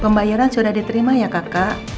pembayaran sudah diterima ya kakak